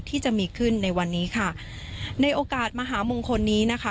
ที่จะมีขึ้นในวันนี้ค่ะในโอกาสมหามงคลนี้นะคะ